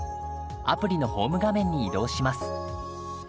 アプリのホーム画面に移動します。